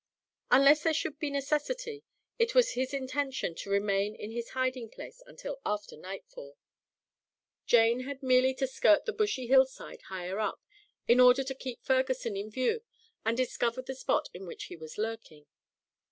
Unless there should be necessity, it was his intention to remain in his hiding place until after nightfall. Jane had merely to skirt the bushy hillside higher up, in order to keep Ferguson in view and discover the spot in which he was lurking.